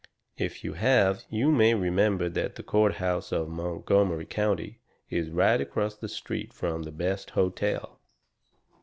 If you have you may remember that the courthouse of Montgomery County is right across the street from the best hotel.